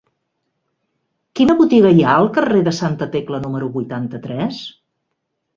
Quina botiga hi ha al carrer de Santa Tecla número vuitanta-tres?